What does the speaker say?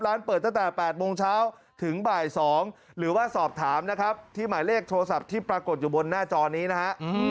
เปิดตั้งแต่๘โมงเช้าถึงบ่าย๒หรือว่าสอบถามนะครับที่หมายเลขโทรศัพท์ที่ปรากฏอยู่บนหน้าจอนี้นะฮะ